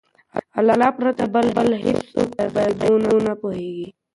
د الله تعالی پرته بل هيڅوک په غيبو نه پوهيږي